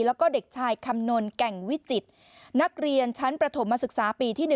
แล้วก็เด็กชายคำนวลแก่งวิจิตรนักเรียนชั้นประถมมาศึกษาปีที่๑